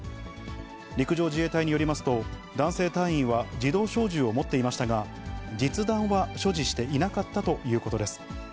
陸上自衛隊によりますと、男性隊員は自動小銃を持っていましたが、実弾は所持していなかったということです。